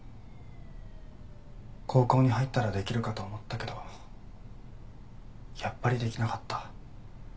「高校に入ったらできるかと思ったけどやっぱりできなかった」